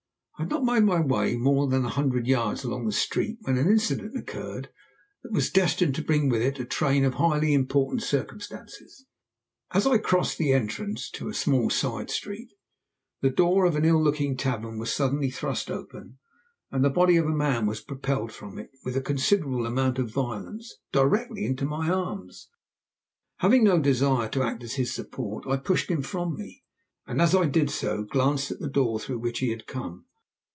I had not made my way more than a hundred yards along the street when an incident occurred that was destined to bring with it a train of highly important circumstances. As I crossed the entrance to a small side street, the door of an ill looking tavern was suddenly thrust open and the body of a man was propelled from it, with a considerable amount of violence, directly into my arms. Having no desire to act as his support I pushed him from me, and as I did so glanced at the door through which he had come.